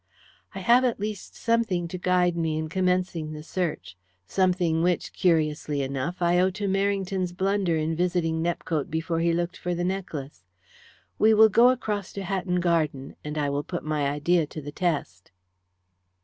"I have at least something to guide me in commencing the search something, which, curiously enough, I owe to Merrington's blunder in visiting Nepcote before he looked for the necklace. We will go across to Hatton Garden, and I will put my idea to the test."